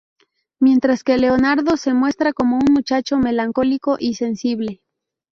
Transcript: Mientras que Leonardo, se muestra como un muchacho melancólico y sensible.